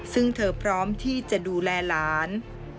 ซึ่งเธอพร้อมที่จะดูแลหลาน